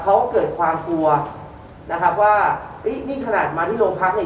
เขาเกิดความกลัวนะครับว่าเฮ้ยนี่ขนาดมาที่โรงพักเนี่ย